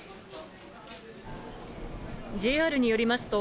ＪＲによりますと、